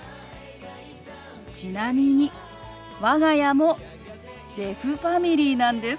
ちなみに我が家もデフファミリーなんです。